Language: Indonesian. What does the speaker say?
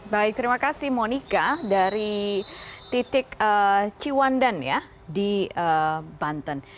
baik terima kasih monika dari titik ciwandan ya di banten